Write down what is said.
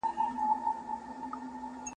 په نامه د قاتلانو زړه ښاد نه كړي `